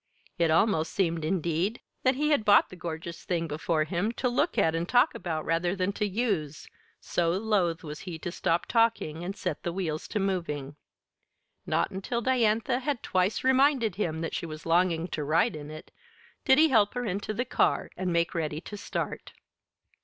It almost seemed, indeed, that he had bought the gorgeous thing before him to look at and talk about rather than to use, so loath was he to stop talking and set the wheels to moving. Not until Diantha had twice reminded him that she was longing to ride in it did he help her into the car and make ready to start.